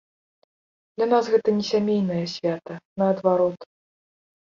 Для нас гэта не сямейнае свята, наадварот.